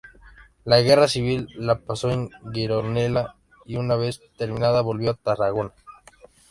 La Guerra Civil la pasó en Gironella, y una vez terminada volvió a Tarragona.